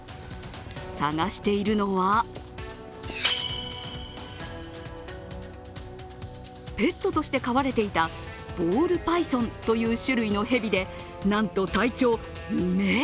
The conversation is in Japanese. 探しているのはペットとして飼われていたボールパイソンという種類の蛇でなんと体長２ｍ。